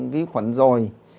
vi khuẩn rồi